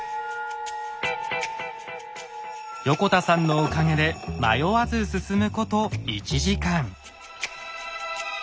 横田さんのおかげで迷わず進むこと１時間。